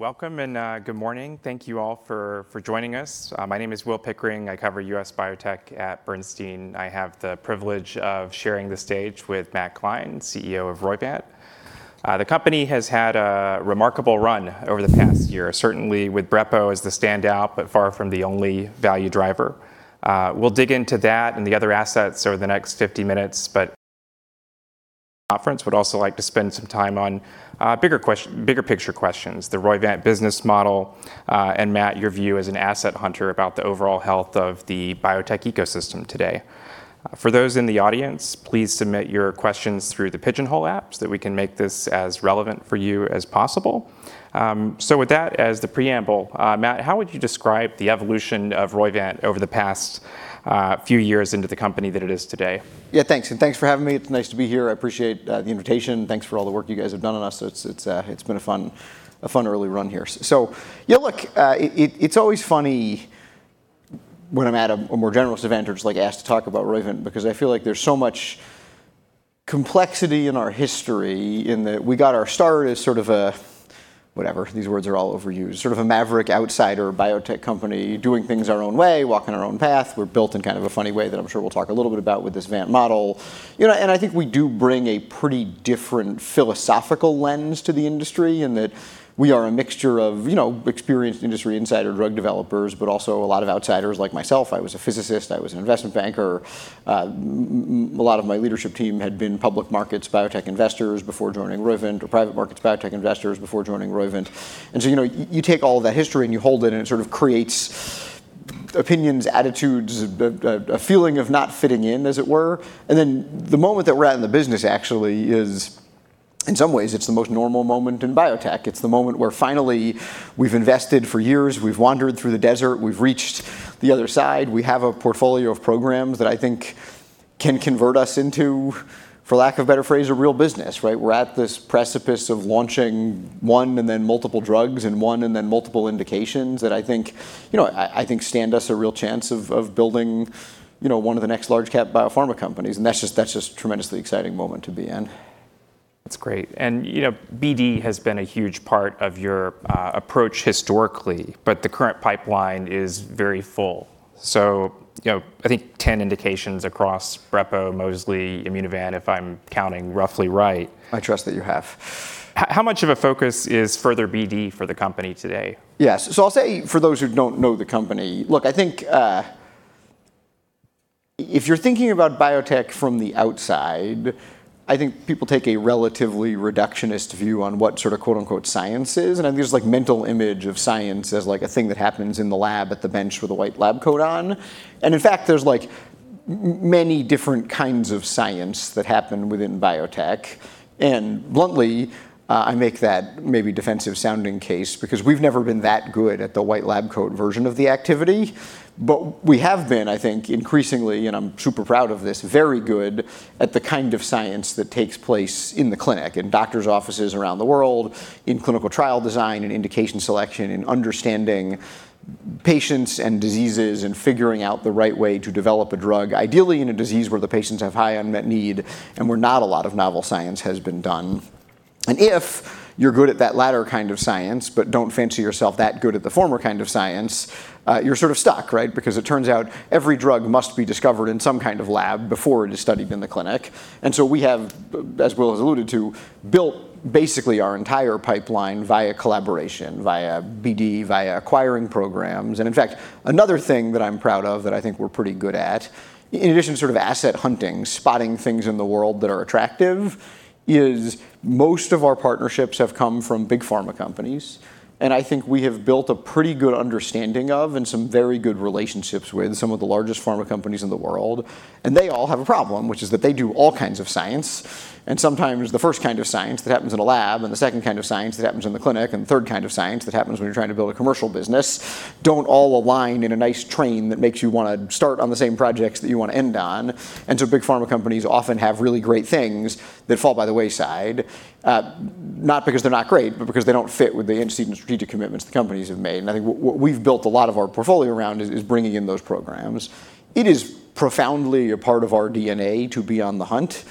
Welcome and good morning. Thank you all for joining us. My name is Will Pickering. I cover U.S. biotech at Bernstein. I have the privilege of sharing the stage with Matt Gline, CEO of Roivant. The company has had a remarkable run over the past year, certainly with brepo as the standout, far from the only value driver. We'll dig into that and the other assets over the next 50 minutes. Conference would also like to spend some time on bigger picture questions, the Roivant business model, and Matt, your view as an asset hunter about the overall health of the biotech ecosystem today. For those in the audience, please submit your questions through the Pigeonhole app so that we can make this as relevant for you as possible. With that as the preamble, Matt, how would you describe the evolution of Roivant over the past few years into the company that it is today? Yeah, thanks. Thanks for having me. It's nice to be here. I appreciate the invitation. Thanks for all the work you guys have done on us. It's been a fun early run here. Look, it's always funny when I'm at a more generalist event or just asked to talk about Roivant, because I feel like there's so much complexity in our history in that we got our start as sort of a, whatever, these words are all overused, sort of a maverick outsider biotech company, doing things our own way, walking our own path. We're built in kind of a funny way that I'm sure we'll talk a little bit about with this Vant model. I think we do bring a pretty different philosophical lens to the industry in that we are a mixture of experienced industry insider drug developers, but also a lot of outsiders like myself. I was a physicist, I was an investment banker. A lot of my leadership team had been public markets biotech investors before joining Roivant, or private markets biotech investors before joining Roivant. You take all of that history and you hold it and it sort of creates opinions, attitudes, a feeling of not fitting in, as it were. The moment that we're at in the business actually is, in some ways, it's the most normal moment in biotech. It's the moment where finally we've invested for years, we've wandered through the desert, we've reached the other side. We have a portfolio of programs that I think can convert us into, for lack of a better phrase, a real business, right? We're at this precipice of launching one and then multiple drugs and one and then multiple indications that I think stand us a real chance of building one of the next large cap biopharma companies. That's just a tremendously exciting moment to be in. That's great. BD has been a huge part of your approach historically, but the current pipeline is very full. I think 10 indications across brepocitinib, mosliciguat, Immunovant, if I'm counting roughly right. I trust that you have. How much of a focus is further BD for the company today? Yes. I'll say for those who don't know the company, look, I think if you're thinking about biotech from the outside, I think people take a relatively reductionist view on what sort of quote, unquote, "science is." There's this mental image of science as a thing that happens in the lab at the bench with a white lab coat on. Bluntly, I make that maybe defensive sounding case because we've never been that good at the white lab coat version of the activity. We have been, I think, increasingly, and I'm super proud of this, very good at the kind of science that takes place in the clinic, in doctors' offices around the world, in clinical trial design and indication selection, in understanding patients and diseases, and figuring out the right way to develop a drug, ideally in a disease where the patients have high unmet need and where not a lot of novel science has been done. If you're good at that latter kind of science, but don't fancy yourself that good at the former kind of science, you're sort of stuck, right? Because it turns out every drug must be discovered in some kind of lab before it is studied in the clinic. We have, as Will has alluded to, built basically our entire pipeline via collaboration, via BD, via acquiring programs. In fact, another thing that I'm proud of that I think we're pretty good at, in addition to sort of asset hunting, spotting things in the world that are attractive, is most of our partnerships have come from big pharma companies. I think we have built a pretty good understanding of and some very good relationships with some of the largest pharma companies in the world. They all have a problem, which is that they do all kinds of science, and sometimes the first kind of science that happens in a lab, and the second kind of science that happens in the clinic, and the third kind of science that happens when you're trying to build a commercial business, don't all align in a nice train that makes you want to start on the same projects that you want to end on. Big Pharma companies often have really great things that fall by the wayside, not because they're not great, but because they don't fit with the antecedent strategic commitments the companies have made. I think what we've built a lot of our portfolio around is bringing in those programs. It is profoundly a part of our DNA to be on the hunt.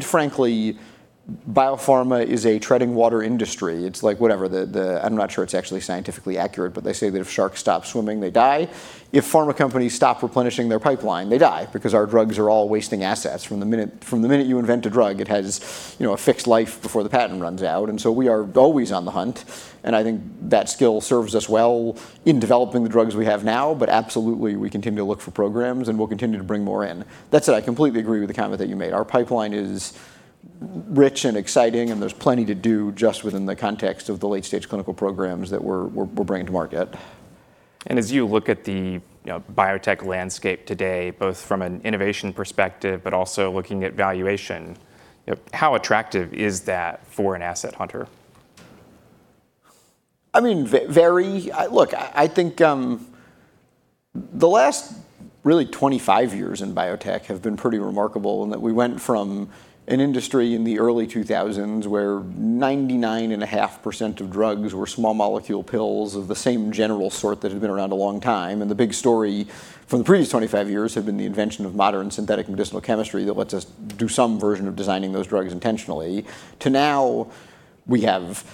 Frankly, biopharma is a treading water industry. It's like I'm not sure it's actually scientifically accurate, but they say that if sharks stop swimming, they die. If Pharma companies stop replenishing their pipeline, they die because our drugs are all wasting assets. From the minute you invent a drug, it has a fixed life before the patent runs out. We are always on the hunt, and I think that skill serves us well in developing the drugs we have now. Absolutely, we continue to look for programs and we'll continue to bring more in. That said, I completely agree with the comment that you made. Our pipeline is rich and exciting, and there's plenty to do just within the context of the late-stage clinical programs that we're bringing to market. As you look at the biotech landscape today, both from an innovation perspective, but also looking at valuation, how attractive is that for an asset hunter? Look, I think the last really 25 years in biotech have been pretty remarkable in that we went from an industry in the early 2000s where 99.5% of drugs were small molecule pills of the same general sort that had been around a long time, and the big story from the previous 25 years had been the invention of modern synthetic medicinal chemistry that lets us do some version of designing those drugs intentionally, to now we have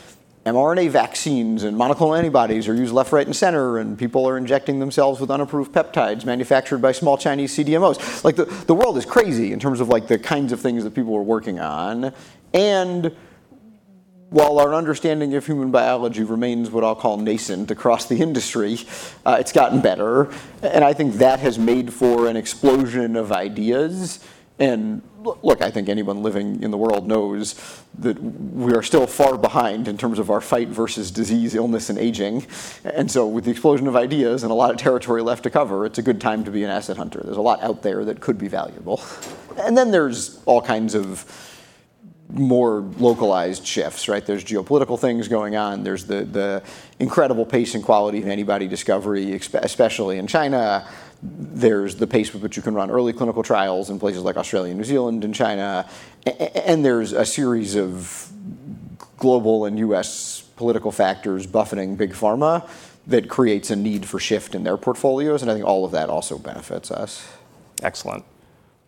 mRNA vaccines and monoclonal antibodies are used left, right, and center, and people are injecting themselves with unapproved peptides manufactured by small Chinese CDMOs. The world is crazy in terms of the kinds of things that people are working on. While our understanding of human biology remains what I'll call nascent across the industry, it's gotten better, and I think that has made for an explosion of ideas. Look, I think anyone living in the world knows that we are still far behind in terms of our fight versus disease, illness, and aging. With the explosion of ideas and a lot of territory left to cover, it's a good time to be an asset hunter. There's a lot out there that could be valuable. Then there's all kinds of more localized shifts, right? There's geopolitical things going on. There's the incredible pace and quality of antibody discovery, especially in China. There's the pace with which you can run early clinical trials in places like Australia, New Zealand, and China. There's a series of global and U.S. political factors buffeting big pharma that creates a need for shift in their portfolios, and I think all of that also benefits us. Excellent.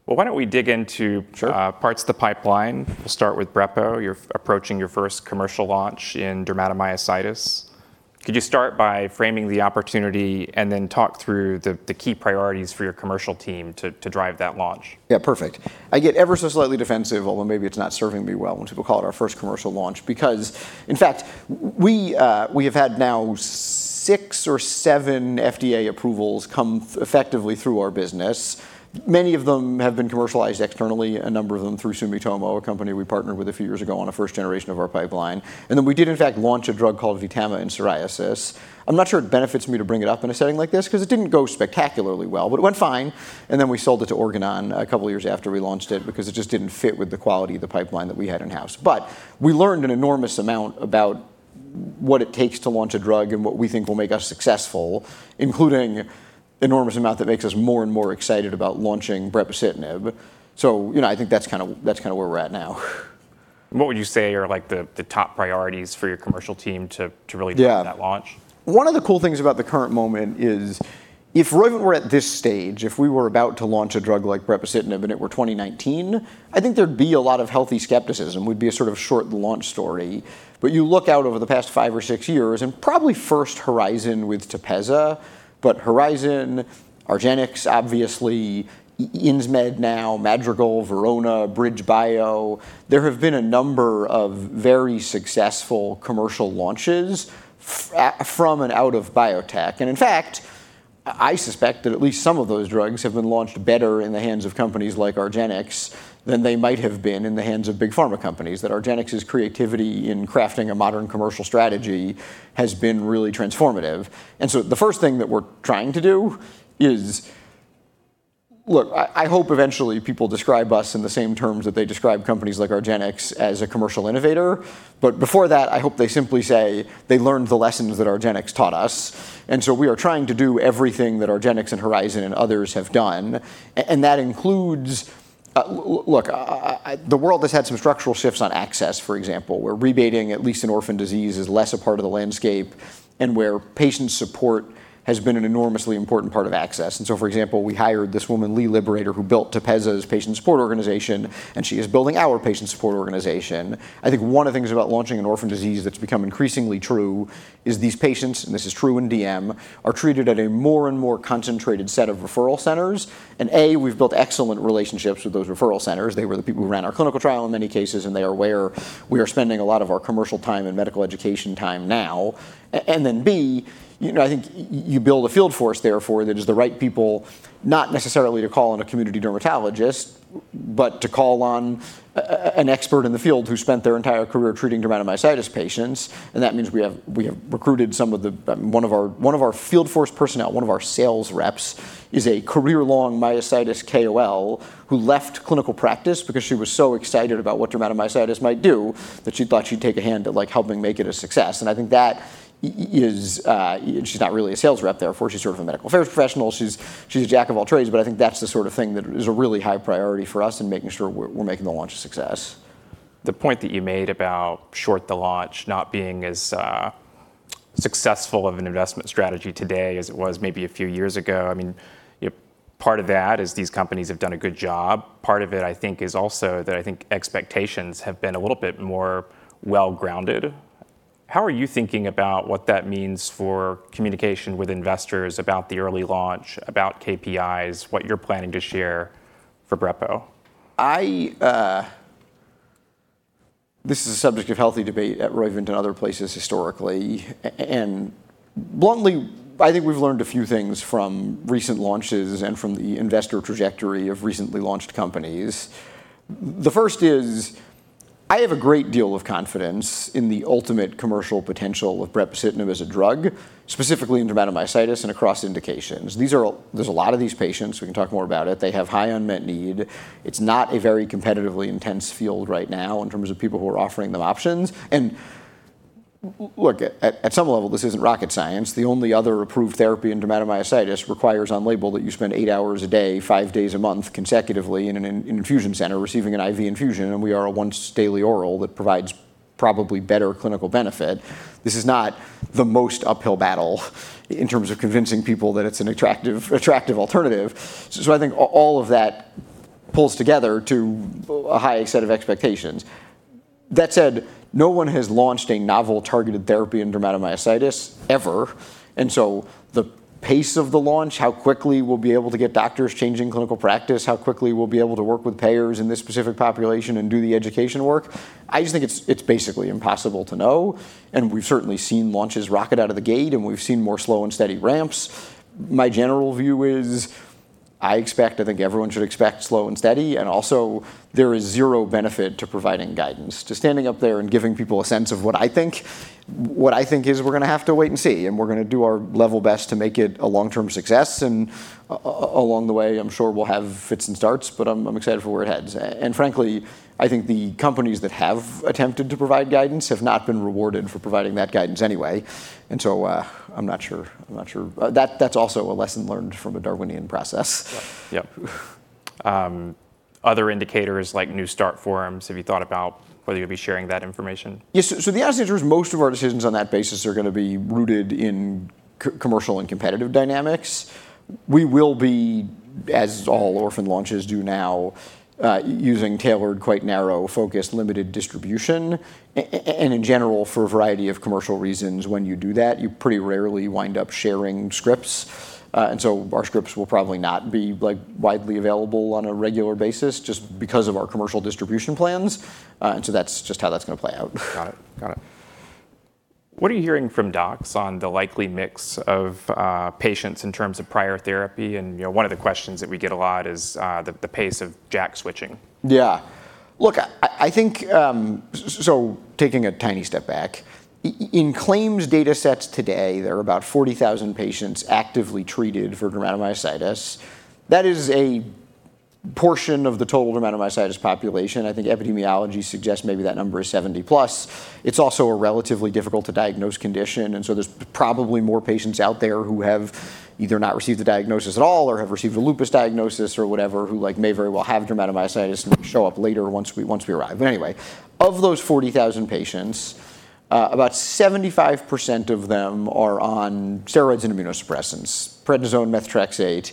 Well, why don't we. Sure Parts of the pipeline. We'll start with brepocitinib. You're approaching your first commercial launch in dermatomyositis. Could you start by framing the opportunity and then talk through the key priorities for your commercial team to drive that launch? Yeah, perfect. I get ever so slightly defensive, although maybe it's not serving me well when people call it our first commercial launch because, in fact, we have had now six or seven FDA approvals come effectively through our business. Many of them have been commercialized externally, a number of them through Sumitomo, a company we partnered with a few years ago on a first generation of our pipeline. We did in fact launch a drug called VTAMA in psoriasis. I'm not sure it benefits me to bring it up in a setting like this because it didn't go spectacularly well, but it went fine, and then we sold it to Organon a couple of years after we launched it because it just didn't fit with the quality of the pipeline that we had in-house. We learned an enormous amount about what it takes to launch a drug and what we think will make us successful, including enormous amount that makes us more and more excited about launching brepocitinib. I think that's kind of where we're at now. What would you say are the top priorities for your commercial team to really drive- Yeah That launch? One of the cool things about the current moment is if we're at this stage, if we were about to launch a drug like brepocitinib and it were 2019, I think there'd be a lot of healthy skepticism. We'd be a sort of short launch story. You look out over the past five or six years and probably first Horizon with TEPEZZA, Horizon, argenx obviously, Insmed now, Madrigal, Verona, BridgeBio, there have been a number of very successful commercial launches from and out of biotech. In fact, I suspect that at least some of those drugs have been launched better in the hands of companies like argenx than they might have been in the hands of big pharma companies, that argenx's creativity in crafting a modern commercial strategy has been really transformative. The first thing that we're trying to do is. Look, I hope eventually people describe us in the same terms that they describe companies like argenx as a commercial innovator. Before that, I hope they simply say they learned the lessons that argenx taught us. We are trying to do everything that argenx and Horizon and others have done. That includes. Look, the world has had some structural shifts on access, for example, where rebating, at least in orphan disease, is less a part of the landscape and where patient support has been an enormously important part of access. For example, we hired this woman, Leigh Liberatore, who built TEPEZZA's patient support organization, and she is building our patient support organization. I think one of the things about launching an orphan disease that's become increasingly true is these patients, and this is true in DM, are treated at a more and more concentrated set of referral centers. A, we've built excellent relationships with those referral centers. They were the people who ran our clinical trial in many cases, and they are where we are spending a lot of our commercial time and medical education time now. B, I think you build a field force therefore that is the right people, not necessarily to call on a community dermatologist, but to call on an expert in the field who spent their entire career treating dermatomyositis patients. That means we have recruited one of our field force personnel, one of our sales reps is a career-long myositis KOL who left clinical practice because she was so excited about what dermatomyositis might do that she thought she'd take a hand at helping make it a success. I think that is, she's not really a sales rep therefore, she's sort of a medical affairs professional. She's a jack of all trades, I think that's the sort of thing that is a really high priority for us in making sure we're making the launch a success. The point that you made about short the launch not being as successful of an investment strategy today as it was maybe a few years ago. Part of that is these companies have done a good job. Part of it, I think, is also that I think expectations have been a little bit more well-grounded. How are you thinking about what that means for communication with investors about the early launch, about KPIs, what you're planning to share for brepocitinib? This is a subject of healthy debate at Roivant and other places historically. Bluntly, I think we've learned a few things from recent launches and from the investor trajectory of recently launched companies. The first is, I have a great deal of confidence in the ultimate commercial potential of brepocitinib as a drug, specifically in dermatomyositis and across indications. There's a lot of these patients. We can talk more about it. They have high unmet need. It's not a very competitively intense field right now in terms of people who are offering them options. Look, at some level, this isn't rocket science. The only other approved therapy in dermatomyositis requires on-label that you spend eight hours a day, five days a month consecutively in an infusion center receiving an IV infusion, and we are a once daily oral that provides probably better clinical benefit. This is not the most uphill battle in terms of convincing people that it's an attractive alternative. I think all of that pulls together to a high set of expectations. That said, no one has launched a novel targeted therapy in dermatomyositis ever. The pace of the launch, how quickly we'll be able to get doctors changing clinical practice, how quickly we'll be able to work with payers in this specific population and do the education work, I just think it's basically impossible to know. We've certainly seen launches rocket out of the gate, and we've seen more slow and steady ramps. My general view is, I expect, I think everyone should expect slow and steady. Also there is zero benefit to providing guidance. Just standing up there and giving people a sense of what I think is we're going to have to wait and see, and we're going to do our level best to make it a long-term success. Along the way, I'm sure we'll have fits and starts, but I'm excited for where it heads. Frankly, I think the companies that have attempted to provide guidance have not been rewarded for providing that guidance anyway. I'm not sure. That's also a lesson learned from a Darwinian process. Yep. Other indicators like new start forms, have you thought about whether you'll be sharing that information? Yes, the answer is most of our decisions on that basis are going to be rooted in commercial and competitive dynamics. We will be, as all orphan launches do now, using tailored, quite narrow, focused, limited distribution. And in general, for a variety of commercial reasons, when you do that, you pretty rarely wind up sharing scripts. Our scripts will probably not be widely available on a regular basis just because of our commercial distribution plans. That's just how that's going to play out. Got it. What are you hearing from docs on the likely mix of patients in terms of prior therapy? One of the questions that we get a lot is the pace of JAK switching. Look, taking a tiny step back. In claims data sets today, there are about 40,000 patients actively treated for dermatomyositis. That is a portion of the total dermatomyositis population. I think epidemiology suggests maybe that number is 70+. It's also relatively difficult to diagnose condition, there's probably more patients out there who have either not received the diagnosis at all or have received a lupus diagnosis or whatever, who may very well have dermatomyositis and show up later once we arrive. Of those 40,000 patients, about 75% of them are on steroids and immunosuppressants, prednisone, methotrexate,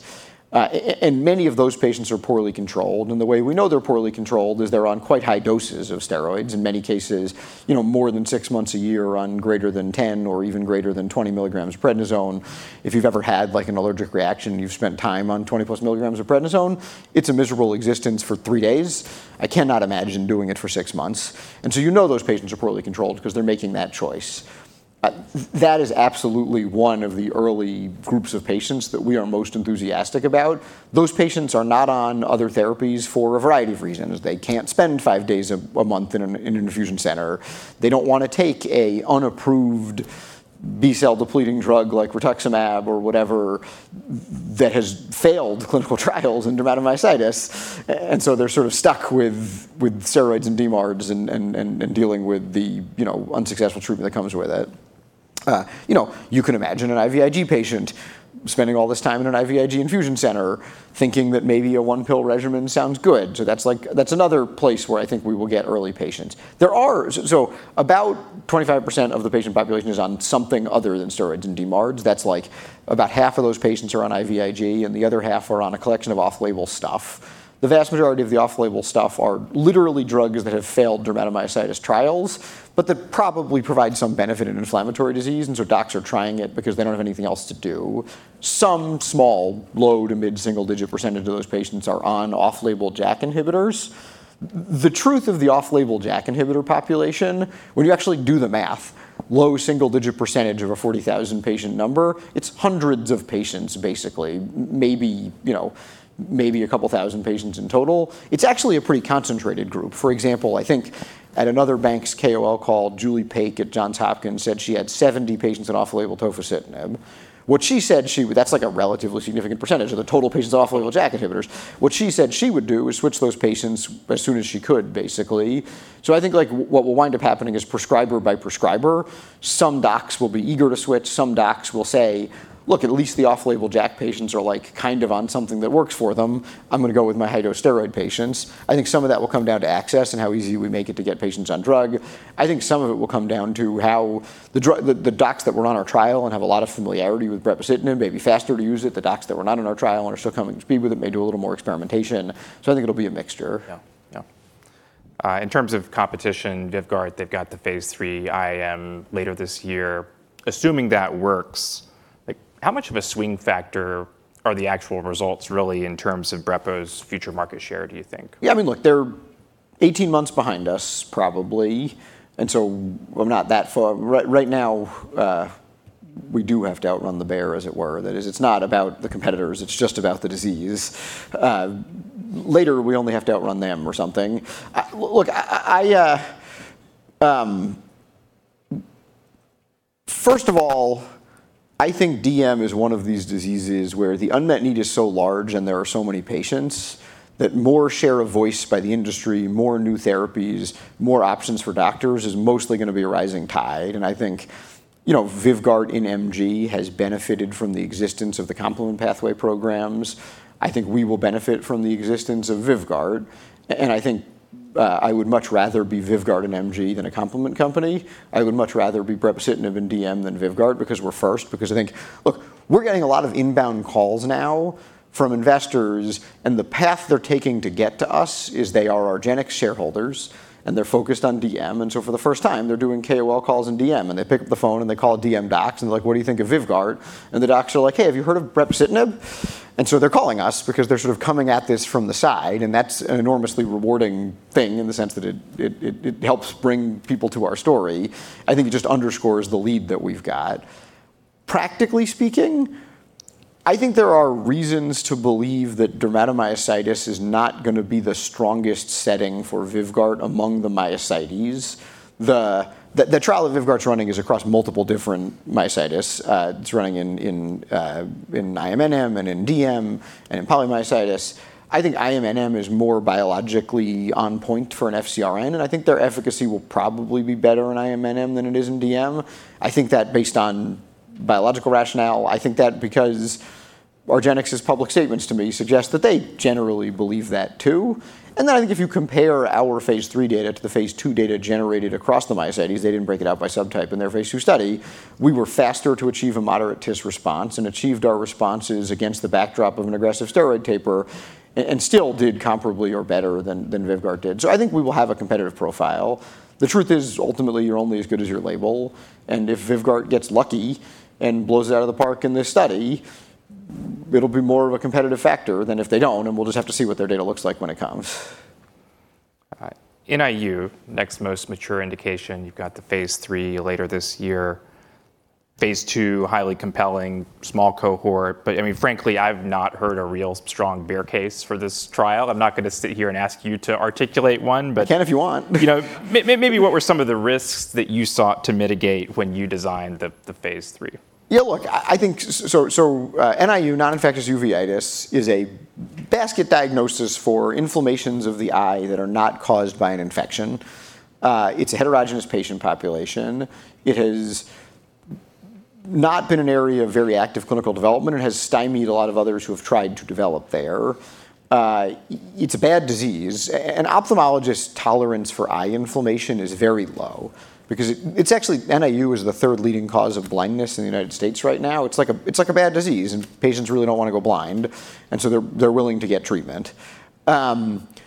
and many of those patients are poorly controlled. The way we know they're poorly controlled is they're on quite high doses of steroids, in many cases more than six months a year on greater than 10 or even greater than 20 mg of prednisone. If you've ever had an allergic reaction, you've spent time on 20+ mg of prednisone, it's a miserable existence for three days. I cannot imagine doing it for six months. You know those patients are poorly controlled because they're making that choice. That is absolutely one of the early groups of patients that we are most enthusiastic about. Those patients are not on other therapies for a variety of reasons. They can't spend five days a month in an infusion center. They don't want to take an unapproved B-cell depleting drug like rituximab or whatever that has failed clinical trials in dermatomyositis. They're sort of stuck with steroids and DMARDs and dealing with the unsuccessful treatment that comes with it. You can imagine an IVIG patient spending all this time in an IVIG infusion center thinking that maybe a one-pill regimen sounds good. That's another place where I think we will get early patients. About 25% of the patient population is on something other than steroids and DMARDs. That's like about half of those patients are on IVIG, and the other half are on a collection of off-label stuff. The vast majority of the off-label stuff are literally drugs that have failed dermatomyositis trials, but that probably provide some benefit in inflammatory diseases, or docs are trying it because they don't have anything else to do. Some small, low to mid-single-digit % of those patients are on off-label JAK inhibitors. The truth of the off-label JAK inhibitor population, when you actually do the math, low single-digit % of a 40,000-patient number, it's hundreds of patients, basically. Maybe a couple of thousand patients in total. It's actually a pretty concentrated group. For example, I think at another bank's KOL call, Julie Paik at Johns Hopkins said she had 70 patients on off-label tofacitinib. That's a relatively significant percentage of the total patients on off-label JAK inhibitors. What she said she would do is switch those patients as soon as she could, basically. I think what will wind up happening is prescriber by prescriber. Some docs will be eager to switch. Some docs will say, "Look, at least the off-label JAK patients are kind of on something that works for them. I'm going to go with my high-dose steroid patients." I think some of that will come down to access and how easy we make it to get patients on drug. I think some of it will come down to how the docs that were on our trial and have a lot of familiarity with brepocitinib may be faster to use it. The docs that were not on our trial and are still coming to speed with it may do a little more experimentation. I think it'll be a mixture. Yeah. In terms of competition, VYVGART, they've got the phase III IM later this year. Assuming that works, how much of a swing factor are the actual results really in terms of brepocitinib's future market share, do you think? Yeah, look, they're 18 months behind us probably, and so we're not that far. Right now, we do have to outrun the bear, as it were. That is, it's not about the competitors, it's just about the disease. Later, we only have to outrun them or something. Look, first of all, I think DM is one of these diseases where the unmet need is so large and there are so many patients that more share of voice by the industry, more new therapies, more options for doctors is mostly going to be a rising tide. And I think VYVGART, in MG, has benefited from the existence of the complement pathway programs. I think I will benefit from the existence of VYVGART. And I think I would much rather be VYVGART and MG than a complement company. I would much rather be brepocitinib and DM than VYVGART because we're first. I think, look, we're getting a lot of inbound calls now from investors, and the path they're taking to get to us is they are argenx shareholders and they're focused on DM. For the first time, they're doing KOL calls in DM, and they pick up the phone and they call DM docs and they're like, "What do you think of VYVGART?" The docs are like, "Hey, have you heard of brepocitinib?" They're calling us because they're sort of coming at this from the side, and that's an enormously rewarding thing in the sense that it helps bring people to our story. I think it just underscores the lead that we've got. Practically speaking, I think there are reasons to believe that dermatomyositis is not going to be the strongest setting for VYVGART among the myositis. The trial that VYVGART's running is across multiple different myositis. It's running in IMNM and in DM and in polymyositis. I think IMNM is more biologically on point for an FcRn, and I think their efficacy will probably be better in IMNM than it is in DM. I think that based on biological rationale. I think that because argenx's public statements to me suggest that they generally believe that too. I think if you compare our phase III data to the phase II data generated across the myositis, they didn't break it out by subtype in their phase II study. We were faster to achieve a moderate TIS response and achieved our responses against the backdrop of an aggressive steroid taper and still did comparably or better than VYVGART did. I think we will have a competitive profile. The truth is, ultimately, you're only as good as your label. If VYVGART gets lucky and blows it out of the park in this study, it'll be more of a competitive factor than if they don't. We'll just have to see what their data looks like when it comes. All right. NIU, next most mature indication. You've got the phase III later this year. Phase II, highly compelling, small cohort. Frankly, I've not heard a real strong bear case for this trial. I'm not going to sit here and ask you to articulate one. I can if you want. Maybe what were some of the risks that you sought to mitigate when you designed the phase III? Yeah. Look, NIU, non-infectious uveitis, is a basket diagnosis for inflammations of the eye that are not caused by an infection. It's a heterogeneous patient population. It has not been an area of very active clinical development. It has stymied a lot of others who have tried to develop there. It's a bad disease. An ophthalmologist's tolerance for eye inflammation is very low because NIU is the third leading cause of blindness in the U.S. right now. It's like a bad disease, patients really don't want to go blind, they're willing to get treatment. Against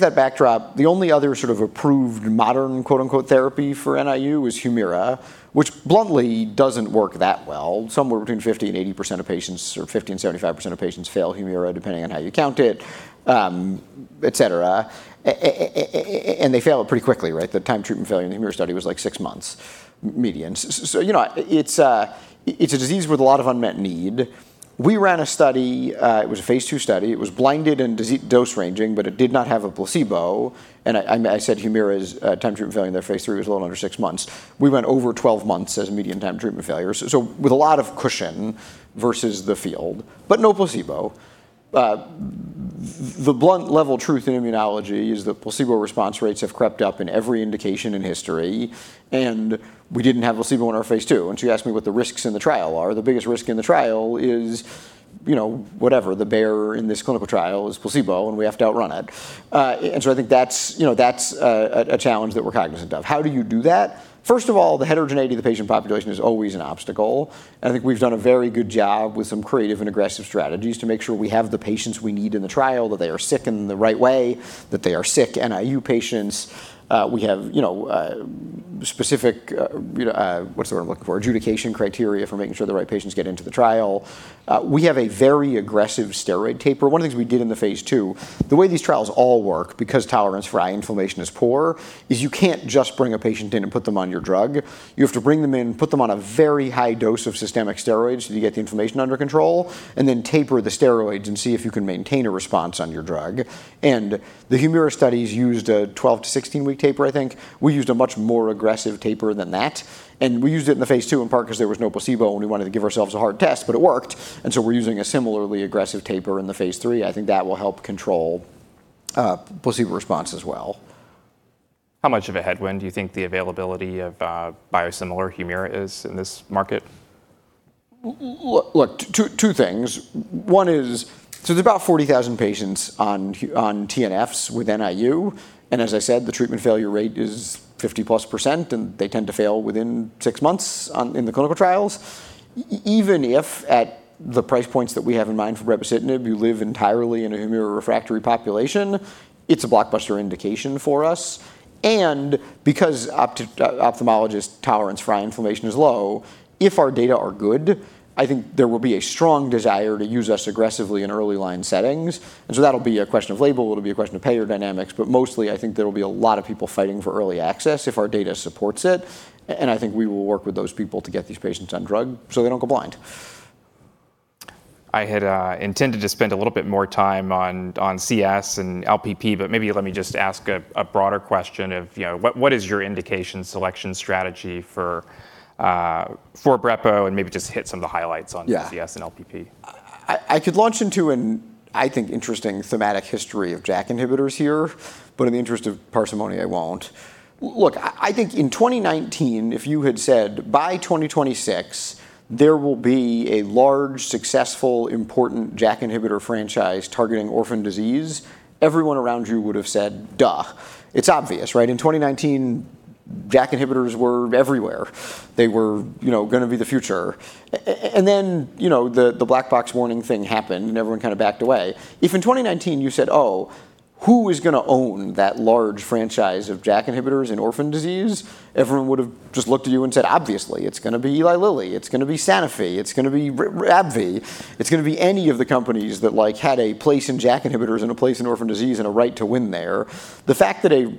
that backdrop, the only other sort of approved modern, quote-unquote, therapy for NIU is HUMIRA, which bluntly doesn't work that well. Somewhere between 50%-80% of patients, or 50%-75% of patients fail HUMIRA, depending on how you count it, et cetera. They fail it pretty quickly, right? The time to treatment failure in the HUMIRA study was like six months median. It's a disease with a lot of unmet need. We ran a study, it was a phase II study. It was blinded and dose ranging, but it did not have a placebo, and I said HUMIRA's time to treatment failure in their phase III was a little under six months. We went over 12 months as a median time to treatment failure. With a lot of cushion versus the field, but no placebo. The blunt level truth in immunology is that placebo response rates have crept up in every indication in history, and we didn't have placebo in our phase II. You asked me what the risks in the trial are. The biggest risk in the trial is whatever. The bear in this clinical trial is placebo, and we have to outrun it. I think that's a challenge that we're cognizant of. How do you do that? First of all, the heterogeneity of the patient population is always an obstacle. I think we've done a very good job with some creative and aggressive strategies to make sure we have the patients we need in the trial, that they are sick in the right way, that they are sick NIU patients. We have specific, what's the word I'm looking for? Adjudication criteria for making sure the right patients get into the trial. We have a very aggressive steroid taper. One of the things we did in the phase II, the way these trials all work, because tolerance for eye inflammation is poor, is you can't just bring a patient in and put them on your drug. You have to bring them in, put them on a very high dose of systemic steroids so that you get the inflammation under control, and then taper the steroids and see if you can maintain a response on your drug. The HUMIRA studies used a 12-16 week taper, I think. We used a much more aggressive taper than that, and we used it in the phase II in part because there was no placebo, and we wanted to give ourselves a hard test, but it worked. So we're using a similarly aggressive taper in the phase III. I think that will help control placebo response as well. How much of a headwind do you think the availability of biosimilar HUMIRA is in this market? Two things. One is, there's about 40,000 patients on TNFs with NIU, and as I said, the treatment failure rate is 50+%, and they tend to fail within six months in the clinical trials. Even if at the price points that we have in mind for brepocitinib you live entirely in a HUMIRA-refractory population, it's a blockbuster indication for us, and because ophthalmologist tolerance for eye inflammation is low, if our data are good, I think there will be a strong desire to use us aggressively in early-line settings. That'll be a question of label, it'll be a question of payer dynamics, but mostly I think there will be a lot of people fighting for early access if our data supports it. I think we will work with those people to get these patients on drug so they don't go blind. I had intended to spend a little bit more time on CS and LPP, but maybe let me just ask a broader question of what is your indication selection strategy for treprostinil. Yeah CS and LPP. I could launch into an, I think, interesting thematic history of JAK inhibitors here. In the interest of parsimony, I won't. Look, I think in 2019, if you had said, "By 2026, there will be a large, successful, important JAK inhibitor franchise targeting orphan disease," everyone around you would've said, "Duh." It's obvious, right? In 2019 JAK inhibitors were everywhere. They were going to be the future. The black box warning thing happened. Everyone kind of backed away. If in 2019 you said, "Oh, who is going to own that large franchise of JAK inhibitors in orphan disease?" Everyone would've just looked at you and said, "Obviously, it's going to be Eli Lilly, it's going to be Sanofi, it's going to be AbbVie. It's going to be any of the companies that had a place in JAK inhibitors and a place in orphan disease and a right to win there. The fact that an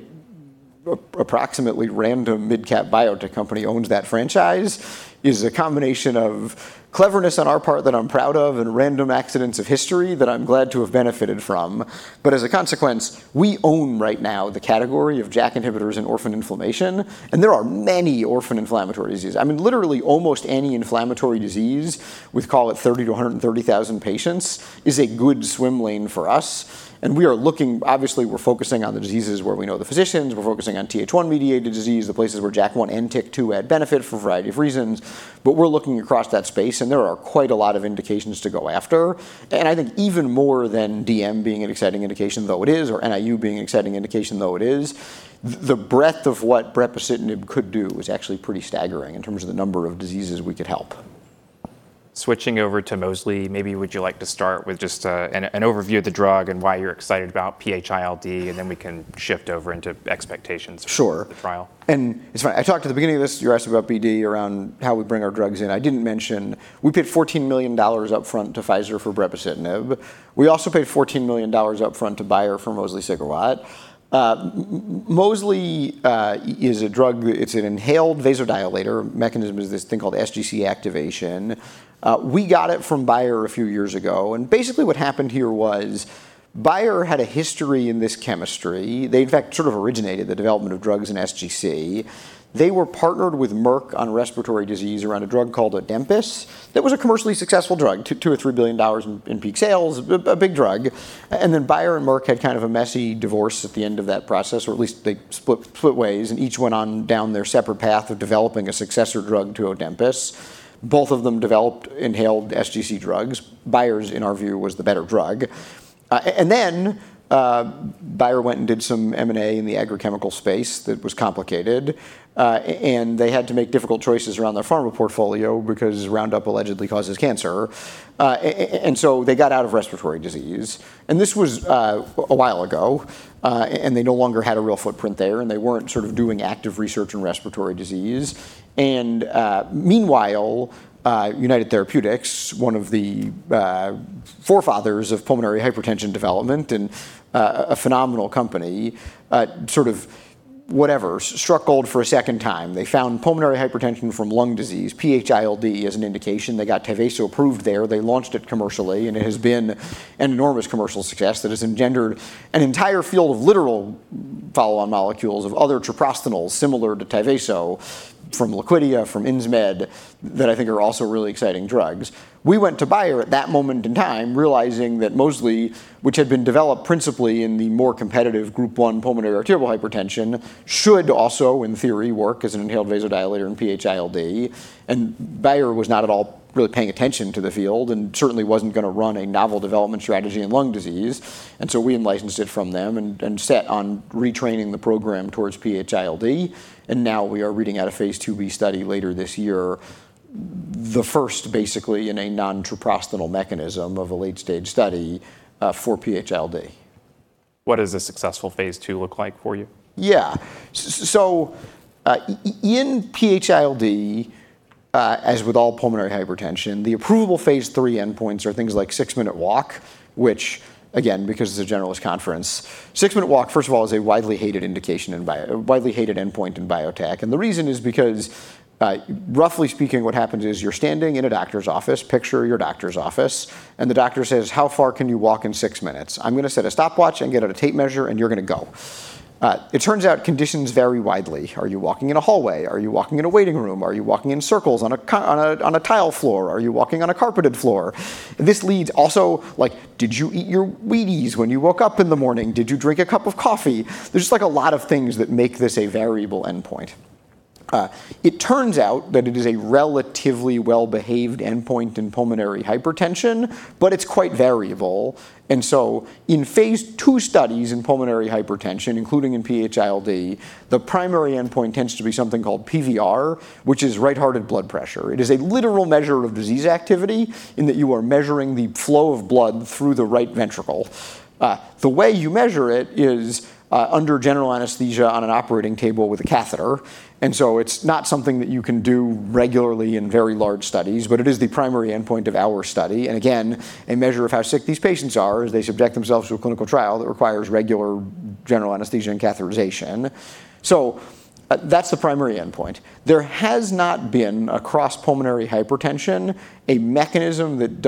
approximately random mid-cap biotech company owns that franchise is a combination of cleverness on our part that I'm proud of and random accidents of history that I'm glad to have benefited from. As a consequence, we own right now the category of JAK inhibitors in orphan inflammation, and there are many orphan inflammatory diseases. Literally almost any inflammatory disease with, call it 30 to 130,000 patients, is a good swim lane for us. Obviously, we're focusing on the diseases where we know the physicians. We're focusing on Th1-mediated disease, the places where JAK1 and TYK2 add benefit for a variety of reasons. We're looking across that space, and there are quite a lot of indications to go after. I think even more than DM being an exciting indication, though it is, or NIU being an exciting indication, though it is, the breadth of what brepocitinib could do is actually pretty staggering in terms of the number of diseases we could help. Switching over to mosliciguat, maybe would you like to start with just an overview of the drug and why you're excited about PH-ILD, and then we can shift over into expectations? Sure For the trial. It's fine. I talked at the beginning of this, you asked about BD around how we bring our drugs in. I didn't mention, we paid $14 million upfront to Pfizer for brepocitinib. We also paid $14 million upfront to Bayer for mosliciguat. Mosliciguat is a drug, it's an inhaled vasodilator. Mechanism is this thing called sGC activation. We got it from Bayer a few years ago. Basically what happened here was Bayer had a history in this chemistry. They, in fact, sort of originated the development of drugs in sGC. They were partnered with Merck on respiratory disease around a drug called Adempas that was a commercially successful drug, took $2 billion-$3 billion in peak sales, a big drug. Then Bayer and Merck had kind of a messy divorce at the end of that process, or at least they split ways and each went on down their separate path of developing a successor drug to Adempas. Both of them developed inhaled sGC drugs. Bayer's, in our view, was the better drug. Then Bayer went and did some M&A in the agrochemical space that was complicated. They had to make difficult choices around their pharma portfolio because Roundup allegedly causes cancer. So they got out of respiratory disease. This was a while ago, and they no longer had a real footprint there, and they weren't sort of doing active research in respiratory disease. Meanwhile, United Therapeutics, one of the forefathers of pulmonary hypertension development and a phenomenal company, sort of whatever, struck gold for a second time. They found pulmonary hypertension from lung disease, PH-ILD, as an indication. They got TYVASO approved there. They launched it commercially, and it has been an enormous commercial success that has engendered an entire field of literal follow-on molecules of other treprostinils similar to TYVASO from Liquidia, from Insmed, that I think are also really exciting drugs. We went to Bayer at that moment in time realizing that mosliciguat, which had been developed principally in the more competitive Group 1 pulmonary arterial hypertension, should also, in theory, work as an inhaled vasodilator in PH-ILD. Bayer was not at all really paying attention to the field and certainly wasn't going to run a novel development strategy in lung disease. We in-licensed it from them and set on retraining the program towards PH-ILD. Now we are reading out a phase II-B study later this year, the first, basically, in a non-treprostinil mechanism of a late-stage study for PH-ILD. What does a successful phase II look like for you? Yeah. In PH-ILD, as with all pulmonary hypertension, the approvable phase III endpoints are things like six-minute walk, which again, because it's a generalist conference, six-minute walk, first of all, is a widely hated endpoint in biotech. The reason is because roughly speaking, what happens is you're standing in a doctor's office, picture your doctor's office, and the doctor says, "How far can you walk in six minutes? I'm going to set a stopwatch and get out a tape measure, and you're going to go." It turns out conditions vary widely. Are you walking in a hallway? Are you walking in a waiting room? Are you walking in circles on a tile floor? Are you walking on a carpeted floor? This leads also like, did you eat your Wheaties when you woke up in the morning? Did you drink a cup of coffee? There's just a lot of things that make this a variable endpoint. It turns out that it is a relatively well-behaved endpoint in pulmonary hypertension, it's quite variable. In phase II studies in pulmonary hypertension, including in PH-ILD, the primary endpoint tends to be something called PVR, which is right-hearted blood pressure. It is a literal measure of disease activity in that you are measuring the flow of blood through the right ventricle. The way you measure it is under general anesthesia on an operating table with a catheter, it's not something that you can do regularly in very large studies, it is the primary endpoint of our study. Again, a measure of how sick these patients are is they subject themselves to a clinical trial that requires regular general anesthesia and catheterization. That's the primary endpoint. There has not been across pulmonary hypertension, a mechanism that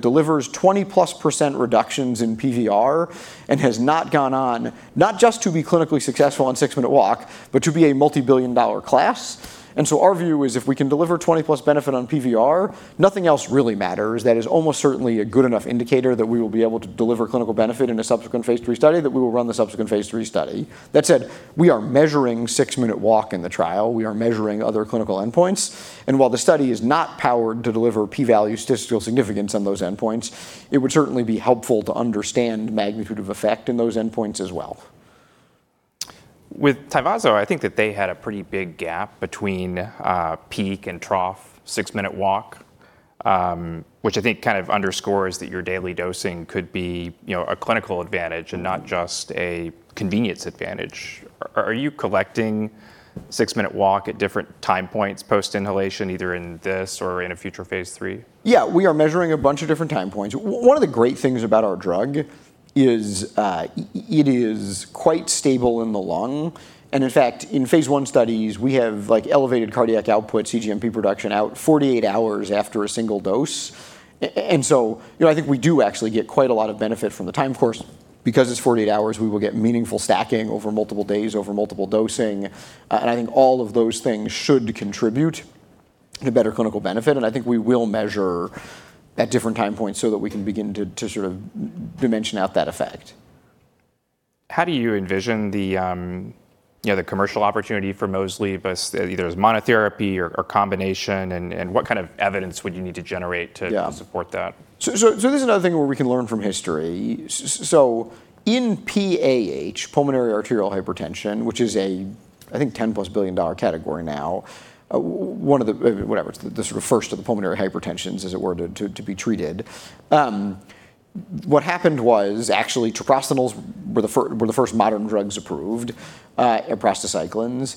delivers 20+% reductions in PVR and has not gone on, not just to be clinically successful on six-minute walk, but to be a multibillion-dollar class. Our view is if we can deliver 20+ benefit on PVR, nothing else really matters. That is almost certainly a good enough indicator that we will be able to deliver clinical benefit in a subsequent phase III study, that we will run the subsequent phase III study. That said, we are measuring six-minute walk in the trial. We are measuring other clinical endpoints, and while the study is not powered to deliver P-value statistical significance on those endpoints, it would certainly be helpful to understand magnitude of effect in those endpoints as well. With TYVASO, I think that they had a pretty big gap between peak and trough six-minute walk, which I think kind of underscores that your daily dosing could be a clinical advantage and not just a convenience advantage. Are you collecting six-minute walk at different time points post inhalation, either in this or in a future phase III? Yeah, we are measuring a bunch of different time points. One of the great things about our drug is it is quite stable in the lung, and, in fact, in phase I studies, we have like elevated cardiac output, cGMP production out 48 hours after a single dose. I think we do actually get quite a lot of benefit from the time course. Because it's 48 hours, we will get meaningful stacking over multiple days, over multiple dosing, and I think all of those things should contribute to better clinical benefit, and I think we will measure at different time points so that we can begin to sort of dimension out that effect. How do you envision the commercial opportunity for mosliciguat, either as monotherapy or combination, and what kind of evidence would you need to generate to? Yeah Support that? This is another thing where we can learn from history. In PAH, pulmonary arterial hypertension, which is a, I think, $10 billion+ category now, it's the sort of first of the pulmonary hypertensions, as it were, to be treated. What happened was, actually, treprostinil were the first modern drugs approved, epoprostenol.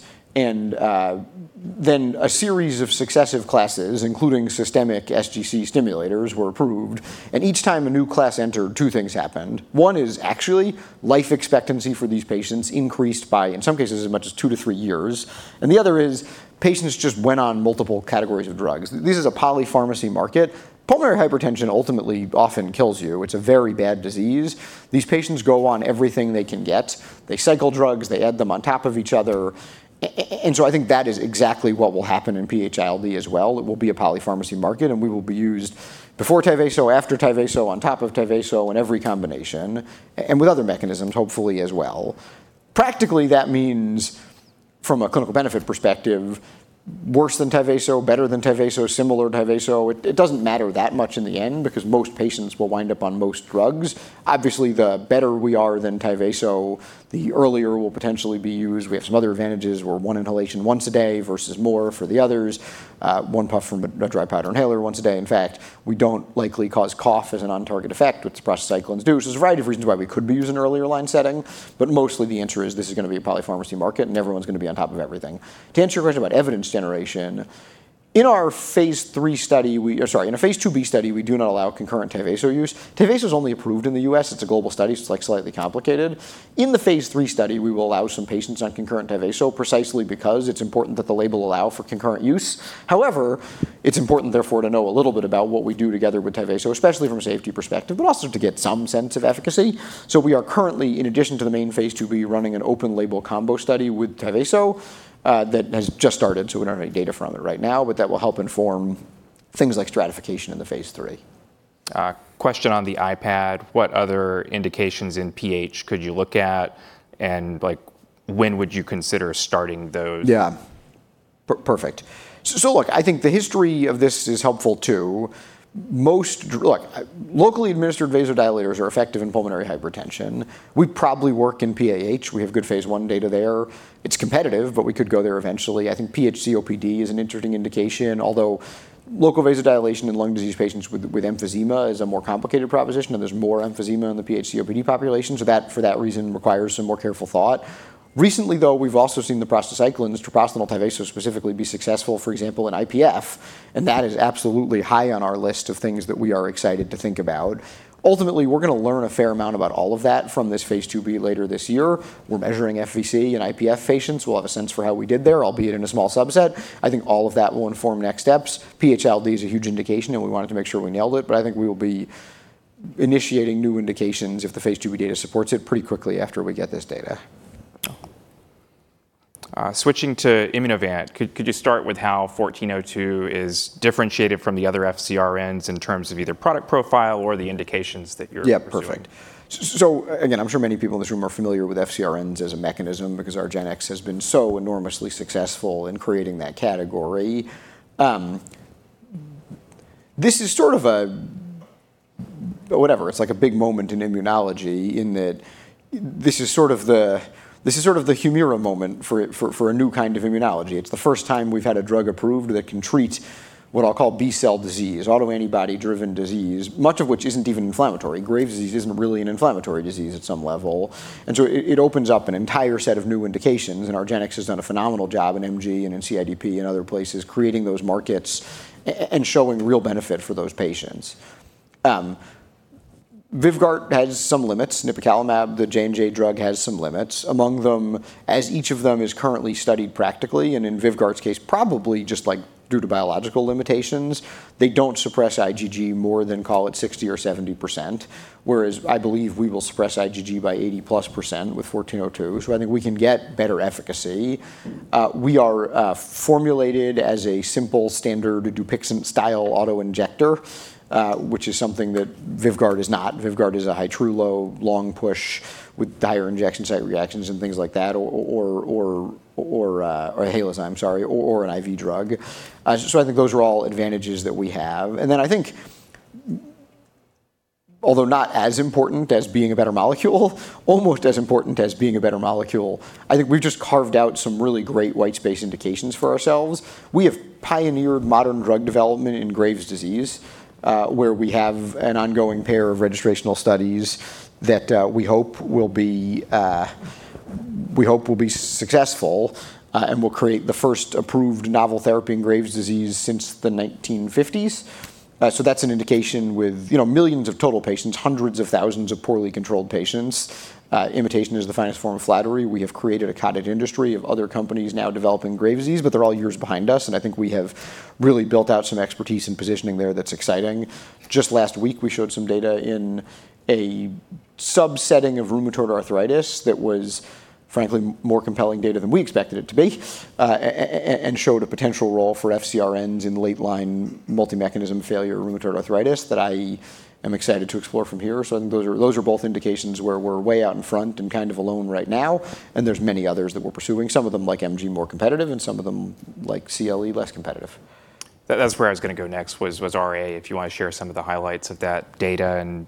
A series of successive classes, including systemic sGC stimulators, were approved, and each time a new class entered, two things happened. One is actually life expectancy for these patients increased by, in some cases, as much as two to three years, and the other is patients just went on multiple categories of drugs. This is a polypharmacy market. Pulmonary hypertension ultimately often kills you. It's a very bad disease. These patients go on everything they can get. They cycle drugs. They add them on top of each other. I think that is exactly what will happen in PH-ILD as well. It will be a polypharmacy market. We will be used before TYVASO, after TYVASO, on top of TYVASO, in every combination, and with other mechanisms, hopefully, as well. Practically, that means from a clinical benefit perspective, worse than TYVASO, better than TYVASO, similar to TYVASO. It doesn't matter that much in the end because most patients will wind up on most drugs. The better we are than TYVASO, the earlier we'll potentially be used. We have some other advantages. We're one inhalation once a day versus more for the others. One puff from a dry powder inhaler once a day. We don't likely cause cough as a non-target effect, which the prostacyclins do. There's a variety of reasons why we could be used in an earlier line setting, but mostly the answer is this is going to be a polypharmacy market, and everyone's going to be on top of everything. To answer your question about evidence generation, in our phase II-B study, we do not allow concurrent TYVASO use. TYVASO's only approved in the U.S. It's a global study, so it's slightly complicated. In the phase III study, we will allow some patients on concurrent TYVASO precisely because it's important that the label allow for concurrent use. However, it's important therefore to know a little bit about what we do together with TYVASO, especially from a safety perspective, but also to get some sense of efficacy. We are currently, in addition to the main phase IIb, running an open label combo study with TYVASO that has just started, so we don't have any data from it right now, but that will help inform things like stratification in the phase III. A question on the iPad, what other indications in PH could you look at, and when would you consider starting those? Yeah. Perfect. Look, I think the history of this is helpful, too. Look, locally administered vasodilators are effective in pulmonary hypertension. We'd probably work in PAH. We have good phase I data there. It's competitive, but we could go there eventually. I think PH-COPD is an interesting indication, although local vasodilation in lung disease patients with emphysema is a more complicated proposition, and there's more emphysema in the PH-COPD population, so for that reason, requires some more careful thought. Recently, though, we've also seen the prostacyclins, treprostinil, TYVASO specifically, be successful, for example, in IPF, and that is absolutely high on our list of things that we are excited to think about. Ultimately, we're going to learn a fair amount about all of that from this phase IIb later this year. We're measuring FVC in IPF patients. We'll have a sense for how we did there, albeit in a small subset. I think all of that will inform next steps. PH-ILD's a huge indication, and we wanted to make sure we nailed it, but I think we will be initiating new indications if the phase IIb data supports it pretty quickly after we get this data. Switching to Immunovant. Could you start with how IMVT-1402 is differentiated from the other FcRns in terms of either product profile or the indications that you're pursuing? Yeah, perfect. Again, I'm sure many people in this room are familiar with FcRns as a mechanism because argenx has been so enormously successful in creating that category. This is sort of, it's like a big moment in immunology in that this is sort of the HUMIRA moment for a new kind of immunology. It's the first time we've had a drug approved that can treat what I'll call B-cell disease, autoantibody-driven disease, much of which isn't even inflammatory. Graves' disease isn't really an inflammatory disease at some level. It opens up an entire set of new indications, and argenx has done a phenomenal job in MG and in CIDP and other places, creating those markets and showing real benefit for those patients. VYVGART has some limits. nipocalimab, the J&J drug, has some limits. Among them, as each of them is currently studied practically, and in VYVGART's case, probably just due to biological limitations, they don't suppress IgG more than, call it, 60% or 70%. Whereas I believe we will suppress IgG by 80+% with 1402. I think we can get better efficacy. We are formulated as a simple, standard Dupixent-style auto-injector, which is something that VYVGART is not. VYVGART is a high volume long push with higher injection site reactions and things like that, or a HALO, sorry, or an IV drug. I think those are all advantages that we have. I think. Although not as important as being a better molecule, almost as important as being a better molecule. I think we've just carved out some really great white space indications for ourselves. We have pioneered modern drug development in Graves' disease, where we have an ongoing pair of registrational studies that we hope will be successful, will create the first approved novel therapy in Graves' disease since the 1950s. That's an indication with millions of total patients, hundreds of thousands of poorly controlled patients. Imitation is the finest form of flattery. We have created a cottage industry of other companies now developing Graves' disease, they're all years behind us, I think we have really built out some expertise and positioning there that's exciting. Just last week, we showed some data in a subsetting of rheumatoid arthritis that was frankly more compelling data than we expected it to be. Showed a potential role for FcRns in late-line multi-mechanism failure rheumatoid arthritis that I am excited to explore from here. Those are both indications where we're way out in front and kind of alone right now, and there's many others that we're pursuing, some of them like MG, more competitive, and some of them, like CLE, less competitive. That's where I was going to go next, was RA, if you want to share some of the highlights of that data and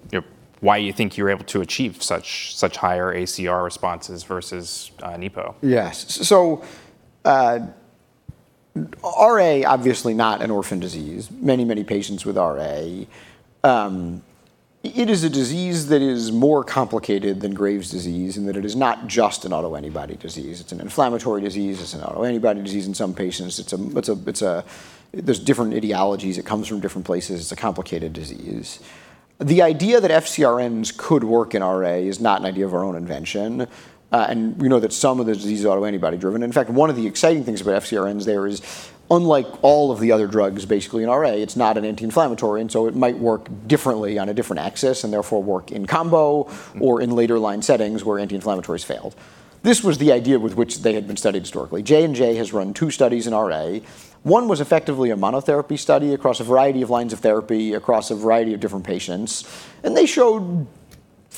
why you think you're able to achieve such higher ACR responses versus nipocalimab? Yes. RA, obviously not an orphan disease. Many patients with RA. It is a disease that is more complicated than Graves' disease, in that it is not just an autoantibody disease. It's an inflammatory disease, it's an autoantibody disease in some patients. There's different etiologies. It comes from different places. It's a complicated disease. The idea that FcRns could work in RA is not an idea of our own invention. We know that some of the disease is autoantibody driven. In fact, one of the exciting things about FcRns there is, unlike all of the other drugs, basically, in RA, it's not an anti-inflammatory, and so it might work differently on a different axis, and therefore work in combo or in later line settings where anti-inflammatories failed. This was the idea with which they had been studied historically. J&J has run two studies in RA. One was effectively a monotherapy study across a variety of lines of therapy, across a variety of different patients. They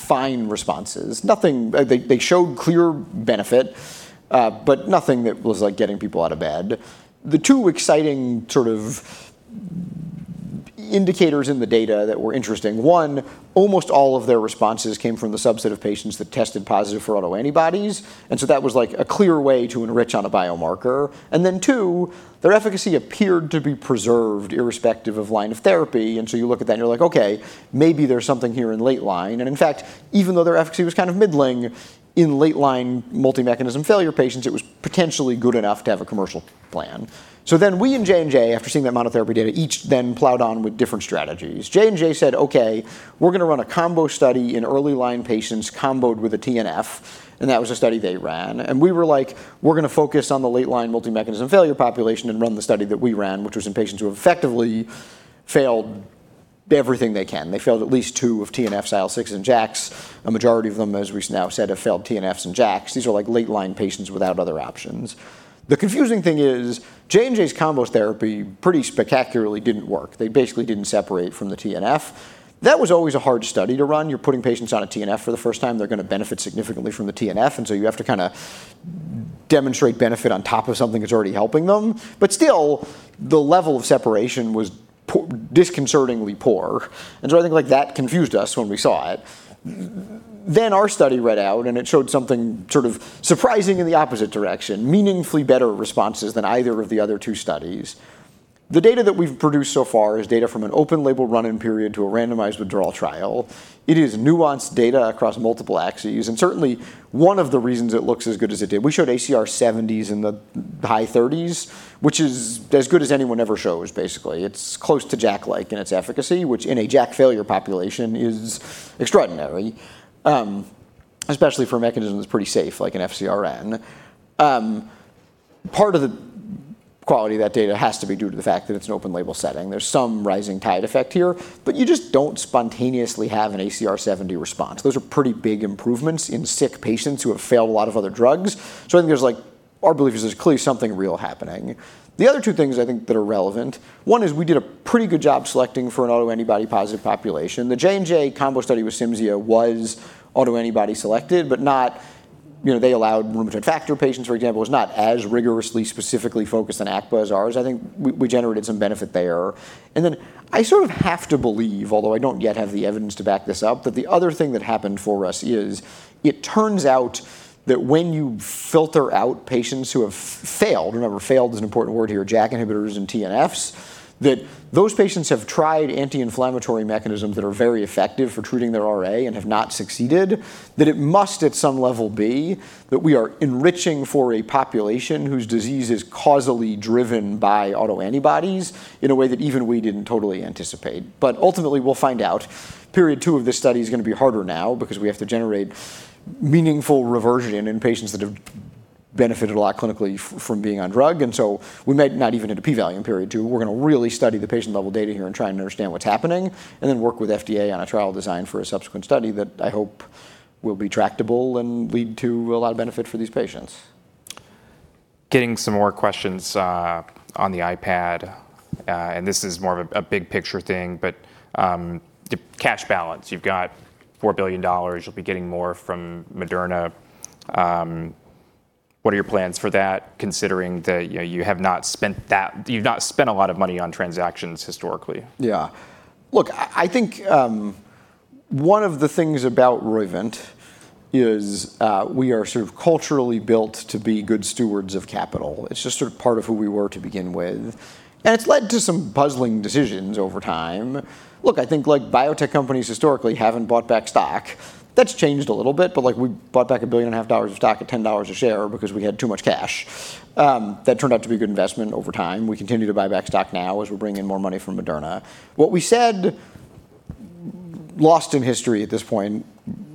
showed fine responses. They showed clear benefit, but nothing that was getting people out of bed. The two exciting sort of indicators in the data that were interesting, one, almost all of their responses came from the subset of patients that tested positive for autoantibodies, that was a clear way to enrich on a biomarker. Two, their efficacy appeared to be preserved irrespective of line of therapy, you look at that and you're like, "Okay, maybe there's something here in late line." In fact, even though their efficacy was kind of middling in late-line multi-mechanism failure patients, it was potentially good enough to have a commercial plan. We and J&J, after seeing that monotherapy data, each then plowed on with different strategies. J&J said, "Okay, we're going to run a combo study in early line patients comboed with a TNF." That was a study they ran. We were like, "We're going to focus on the late line multi-mechanism failure population and run the study that we ran," which was in patients who effectively failed everything they can. They failed at least two of TNFs, IL-6 and JAKs. A majority of them, as we now said, have failed TNFs and JAKs. These are late line patients without other options. The confusing thing is J&J's combo therapy pretty spectacularly didn't work. They basically didn't separate from the TNF. That was always a hard study to run. You're putting patients on a TNF for the first time. They're going to benefit significantly from the TNF, and so you have to kind of demonstrate benefit on top of something that's already helping them. But still, the level of separation was disconcertingly poor, and so I think that confused us when we saw it. Our study read out, and it showed something sort of surprising in the opposite direction, meaningfully better responses than either of the other two studies. The data that we've produced so far is data from an open label run-in period to a randomized withdrawal trial. It is nuanced data across multiple axes, and certainly one of the reasons it looks as good as it did, we showed ACR 70s in the high 30s, which is as good as anyone ever shows, basically. It's close to JAK-like in its efficacy, which in a JAK failure population is extraordinary. Especially for a mechanism that's pretty safe, like an FcRn. Part of the quality of that data has to be due to the fact that it's an open label setting. There's some rising tide effect here, you just don't spontaneously have an ACR 70 response. Those are pretty big improvements in sick patients who have failed a lot of other drugs. I think our belief is there's clearly something real happening. The other two things I think that are relevant, one is we did a pretty good job selecting for an autoantibody positive population. The J&J combo study with Cimzia was autoantibody selected, they allowed rheumatoid factor patients, for example. It's not as rigorously specifically focused on ACPA as ours. I think we generated some benefit there. Then I sort of have to believe, although I don't yet have the evidence to back this up, that the other thing that happened for us is it turns out that when you filter out patients who have failed, remember failed is an important word here, JAK inhibitors and TNFs, that those patients have tried anti-inflammatory mechanisms that are very effective for treating their RA and have not succeeded, that it must at some level be that we are enriching for a population whose disease is causally driven by autoantibodies in a way that even we didn't totally anticipate. Ultimately, we'll find out. Period two of this study is going to be harder now because we have to generate meaningful reversion in patients that have benefited a lot clinically from being on drug, we might not even hit a P value in period two. We're going to really study the patient-level data here and try and understand what's happening, and then work with FDA on a trial design for a subsequent study that I hope will be tractable and lead to a lot of benefit for these patients. Getting some more questions on the iPad, and this is more of a big picture thing, but the cash balance, you've got $4 billion. You'll be getting more from Moderna. What are your plans for that, considering that you have not spent a lot of money on transactions historically? Yeah. Look, I think one of the things about Roivant is we are sort of culturally built to be good stewards of capital. It's just sort of part of who we were to begin with, and it's led to some puzzling decisions over time. Look, I think biotech companies historically haven't bought back stock. That's changed a little bit. Like, we bought back a billion and a half dollars of stock at $10 a share because we had too much cash. That turned out to be a good investment over time. We continue to buy back stock now as we bring in more money from Moderna. What we said, lost in history at this point,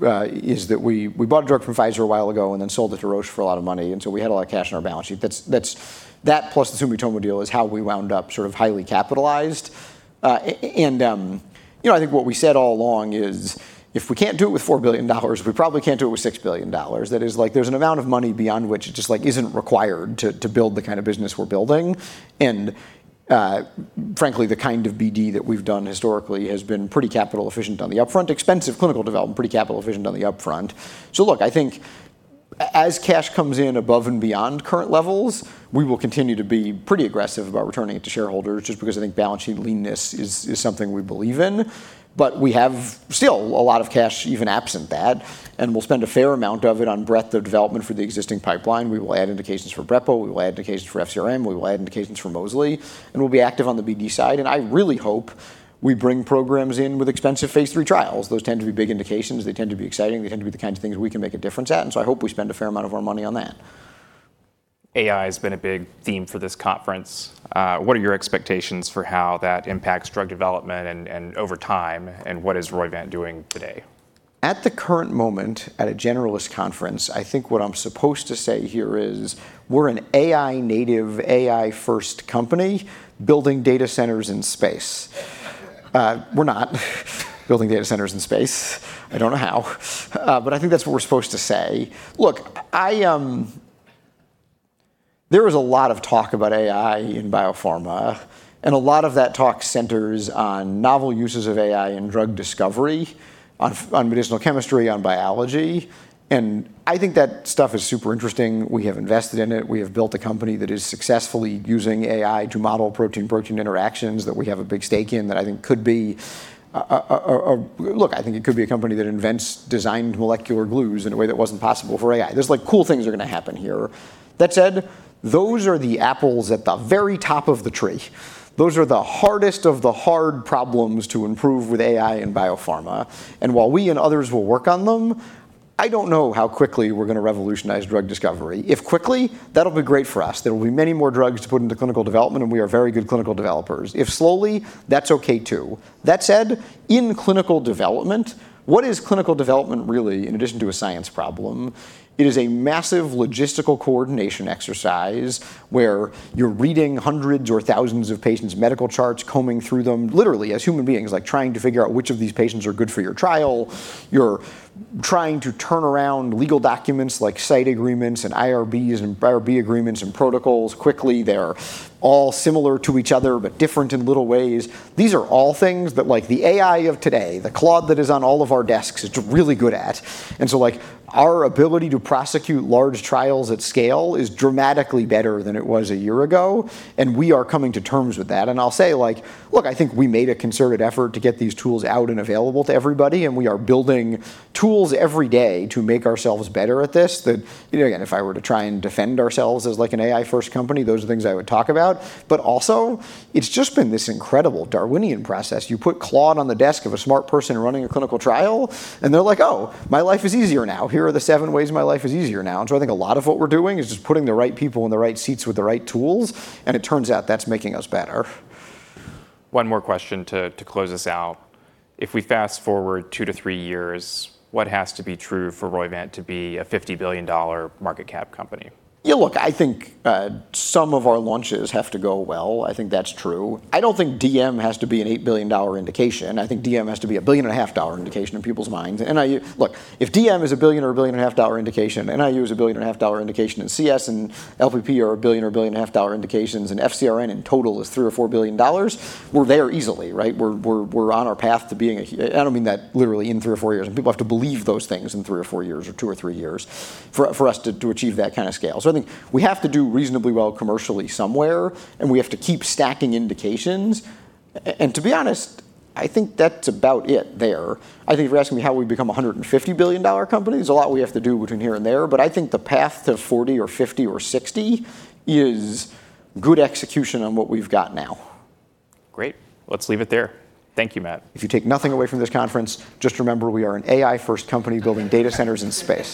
is that we bought a drug from Pfizer a while ago and then sold it to Roche for a lot of money. We had a lot of cash on our balance sheet. That plus the Sumitomo deal is how we wound up sort of highly capitalized. I think what we said all along is, if we can't do it with $4 billion, we probably can't do it with $6 billion. That is like, there's an amount of money beyond which it just isn't required to build the kind of business we're building. Frankly, the kind of BD that we've done historically has been pretty capital efficient on the upfront, expensive clinical development, pretty capital efficient on the upfront. Look, I think as cash comes in above and beyond current levels, we will continue to be pretty aggressive about returning it to shareholders, just because I think balance sheet leanness is something we believe in. We have still a lot of cash, even absent that, and we'll spend a fair amount of it on breadth of development for the existing pipeline. We will add indications for Brepo, we will add indications for FcRn, we will add indications for mosliciguat, and we'll be active on the BD side. I really hope we bring programs in with expensive phase III trials. Those tend to be big indications. They tend to be exciting. They tend to be the kinds of things we can make a difference at. I hope we spend a fair amount of our money on that. AI has been a big theme for this conference. What are your expectations for how that impacts drug development and over time? What is Roivant doing today? At the current moment, at a generalist conference, I think what I'm supposed to say here is we're an AI native, AI first company building data centers in space. We're not building data centers in space. I don't know how, but I think that's what we're supposed to say. Look, there is a lot of talk about AI in biopharma, a lot of that talk centers on novel uses of AI in drug discovery, on medicinal chemistry, on biology. I think that stuff is super interesting. We have invested in it. We have built a company that is successfully using AI to model protein-protein interactions that we have a big stake in. Look, I think it could be a company that invents designed molecular glues in a way that wasn't possible for AI. There's like cool things are going to happen here. Those are the apples at the very top of the tree. Those are the hardest of the hard problems to improve with AI in biopharma. While we and others will work on them, I don't know how quickly we're going to revolutionize drug discovery. If quickly, that'll be great for us. There will be many more drugs to put into clinical development, and we are very good clinical developers. If slowly, that's okay too. In clinical development, what is clinical development really, in addition to a science problem? It is a massive logistical coordination exercise where you're reading hundreds or thousands of patients' medical charts, combing through them, literally as human beings, trying to figure out which of these patients are good for your trial. You're trying to turn around legal documents like site agreements and IRBs and IRB agreements and protocols quickly. They're all similar to each other, but different in little ways. These are all things that the AI of today, the Claude that is on all of our desks, is really good at. Our ability to prosecute large trials at scale is dramatically better than it was a year ago, and we are coming to terms with that. I'll say, look, I think we made a concerted effort to get these tools out and available to everybody, and we are building tools every day to make ourselves better at this. Again, if I were to try and defend ourselves as an AI first company, those are the things I would talk about. It's just been this incredible Darwinian process. You put Claude on the desk of a smart person running a clinical trial, and they're like, "Oh, my life is easier now. Here are the seven ways my life is easier now." I think a lot of what we're doing is just putting the right people in the right seats with the right tools, and it turns out that's making us better. One more question to close us out. If we fast-forward two to three years, what has to be true for Roivant to be a $50 billion market cap company? Yeah, look, I think some of our launches have to go well. I think that's true. I don't think DM has to be an $8 billion indication. I think DM has to be a billion and a half dollar indication in people's minds. Look, if DM is a billion or a billion and a half dollar indication, NIU is a billion and a half dollar indication, and CS and LPP are a billion or a billion and a half dollar indications, and FcRn in total is $3 or $4 billion, we're there easily, right? We're on our path to being. I don't mean that literally in three or four years. People have to believe those things in three or four years, or two or three years, for us to achieve that kind of scale. I think we have to do reasonably well commercially somewhere, and we have to keep stacking indications. To be honest, I think that's about it there. I think if you're asking me how we become a $150 billion company, there's a lot we have to do between here and there. I think the path to 40 or 50 or 60 is good execution on what we've got now. Great. Let's leave it there. Thank you, Matt. If you take nothing away from this conference, just remember we are an AI first company building data centers in space.